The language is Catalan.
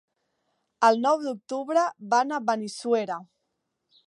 El nou d'octubre van a Benissuera.